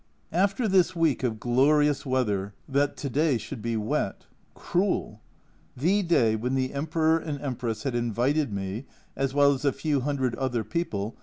After this week of glorious weather that to day should be wet cruel ! T/ie day when the Emperor and Empress had invited me (as well as a few hundred other people